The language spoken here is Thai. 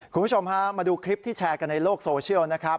คุณผู้ชมฮะมาดูคลิปที่แชร์กันในโลกโซเชียลนะครับ